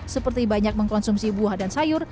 seperti banyak mengkonsumsi buah dan sayur